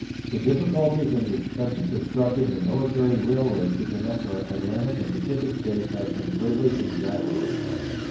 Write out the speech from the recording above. The difficulties and the expense of constructing a military railroad to connect our Atlantic and Pacific States have been greatly exaggerated.